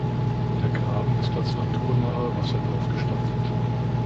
Der Graben ist als naturnaher Wasserlauf gestaltet.